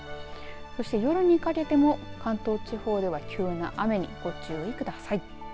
そして、夜にかけても関東地方では急な雨にご注意ください。